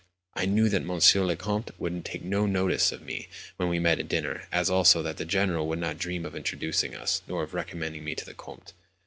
I knew that "Monsieur le Comte" would take no notice of me when we met at dinner, as also that the General would not dream of introducing us, nor of recommending me to the "Comte."